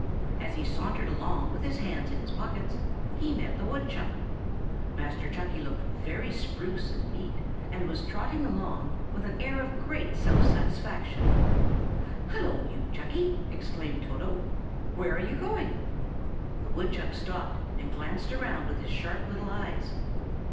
As he sauntered along with his hands in his pockets, he met the woodchuck. Master Chucky looked very spruce and neat, and was trotting along with an air of great self satisfaction. "Hallo! you Chucky," exclaimed Toto, "where are you going?" The woodchuck stopped, and glanced around with his sharp little eyes.